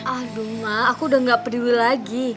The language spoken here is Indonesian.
aduh mak aku udah gak peduli lagi